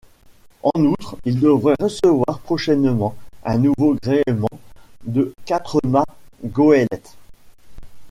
En outre, il devrait recevoir prochainement un nouveau gréement de quatre-mâts goélette.